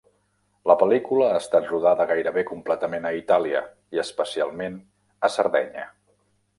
La pel·lícula ha estat rodada gairebé completament a Itàlia, i especialment a Sardenya.